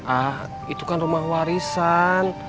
ah itu kan rumah warisan